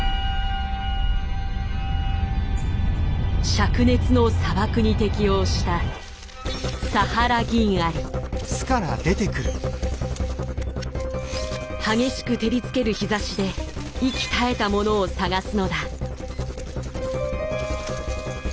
灼熱の砂漠に適応した激しく照りつける日ざしで息絶えたものを探すのだ。